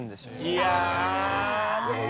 いやあねえ。